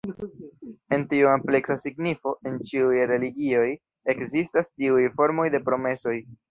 En tiu ampleksa signifo, en ĉiuj religioj, ekzistas tiuj formoj de promesoj.